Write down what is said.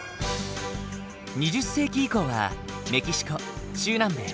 ２０世紀以降はメキシコ中南米